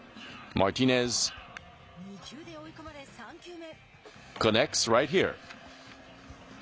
２球で追い込まれ３球目。